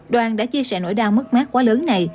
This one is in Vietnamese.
đoàn đã chia sẻ nỗi đau mất mát quá lớn này